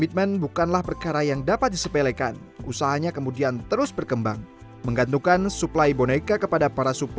tokoh pertama yang terlahir terletak di jalan gajayana